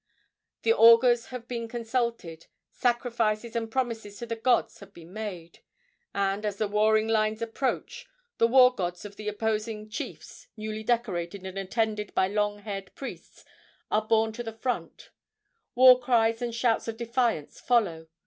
The augurs have been consulted, sacrifices and promises to the gods have been made, and, as the warring lines approach, the war gods of the opposing chiefs, newly decorated and attended by long haired priests, are borne to the front. War cries and shouts of defiance follow.